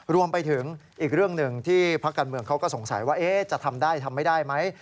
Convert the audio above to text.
รวมไปถึงอีกเรื่องหนึ่งที่พักการเมืองเขาก็สงสัยว่าจะทำได้ทำไม่ได้ไหม